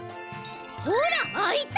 ほらあいた！